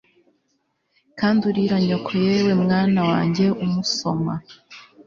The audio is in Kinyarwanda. Kandi urira nyoko yewe mwana wanjye umusoma